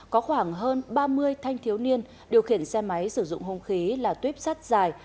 có khoảng hơn ba mươi thanh thiếu niên điều khiển xe máy sử dụng hông khí là tuyếp sắt dài